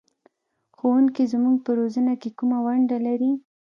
ښوونکی زموږ په روزنه کې کومه ونډه لري؟